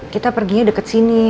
kita perginya deket sini